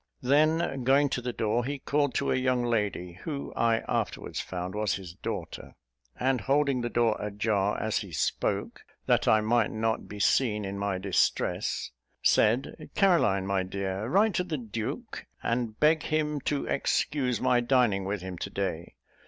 Then, going to the door, he called to a young lady, who I afterwards found was his daughter; and, holding the door a jar as he spoke, that I might not be seen in my distress, said, "Caroline, my dear, write to the duke, and beg him to excuse my dining with him to day.